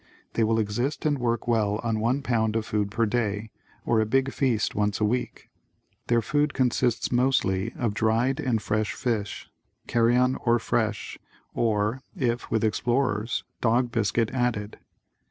They will exist and work well on one pound of food per day, or a big feast once a week. Their food consists mostly of dried and fresh fish, carrion or fresh, or, if with explorers, dog biscuit added.